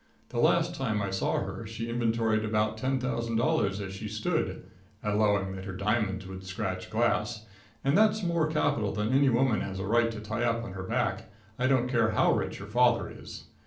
The last time I saw her, she inventoried about $10,000 as she stood allowing that her diamonds would scratch glass and that's more capital than any woman has a right to tie up on her back, I don't care how rich her father is.